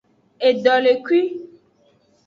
Edolekui.